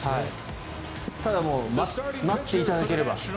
ただ、待っていただければ。